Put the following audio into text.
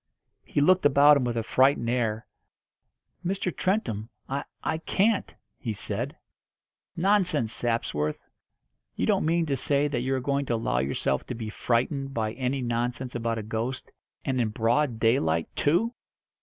He looked about him with a frightened air. "Mr. Trentham, I I can't," he said. "Nonsense, Sapsworth! You don't mean to say that you are going to allow yourself to be frightened by any nonsense about a ghost, and in broad daylight too!"